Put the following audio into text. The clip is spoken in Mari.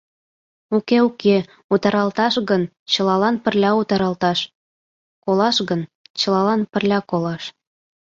Уке, уке, утаралташ гын — чылалан пырля утаралташ, колаш гын — чылалан пырля колаш...